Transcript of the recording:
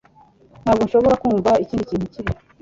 Ntabwo nshobora kumva ikindi kintu cyibi